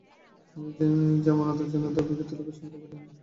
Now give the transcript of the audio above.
আমি জামানতের জন্য দাবিকৃত লোকের সংখ্যা বলিনি।